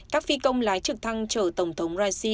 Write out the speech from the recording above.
các phi công lái trực thăng chở tổng thống raisi